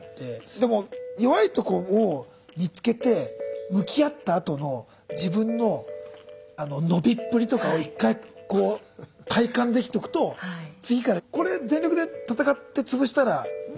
でも弱いとこを見つけて向き合ったあとの自分の伸びっぷりとかを１回こう体感できとくと次からこれ全力で戦って潰したらちょっと上行けんだなってなんかね。